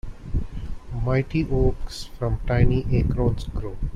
Mighty oaks from tiny acorns grow.